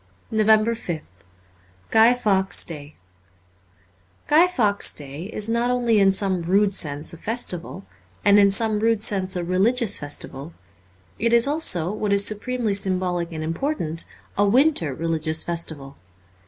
344 NOVEMBER 5th GUY FAWKES' DAY GUY FAWKES' Day is not only in some rude sense a festival, and in some rude sense a religious festival ; it is also, what is su premely symbolic and important, a winter religious festival.